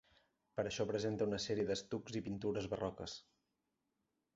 Per això presenta una sèrie d'estucs i pintures barroques.